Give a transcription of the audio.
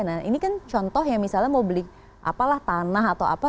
nah ini kan contoh ya misalnya mau beli apalah tanah atau apa